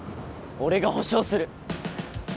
俺が保証する